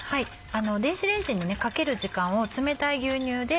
電子レンジにかける時間を冷たい牛乳で。